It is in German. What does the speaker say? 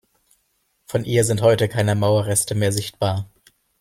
Von ihr sind heute keine Mauerreste mehr sichtbar.